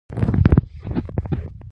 دغه یې وخت دی او ډېر ژر ځان را ورسوه.